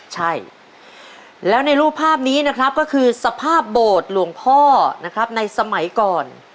ใช่แล้วในรูปภาพนี้นะครับก็คือสภาพโบสถ์หลวงพ่อนะครับในสมัยก่อน